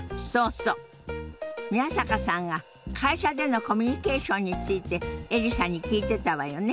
宮坂さんが会社でのコミュニケーションについてエリさんに聞いてたわよね。